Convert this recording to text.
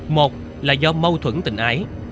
một là do mâu thuẫn tình ái